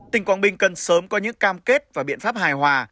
tỉnh quang binh cần sớm có những cam kết và biện pháp hài hòa